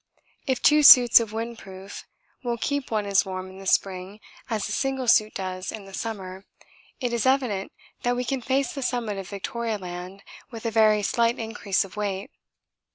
If two suits of wind proof will keep one as warm in the spring as a single suit does in the summer, it is evident that we can face the summit of Victoria Land with a very slight increase of weight.